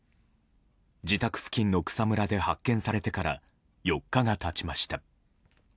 自宅付近の草むらで発見されてから４日が経ちました。